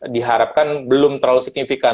diharapkan belum terlalu signifikan